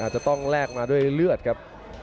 จะต้องแลกมาด้วยเลือดครับ